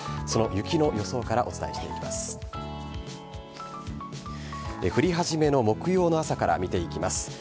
その雪の予想からお伝えしていきます。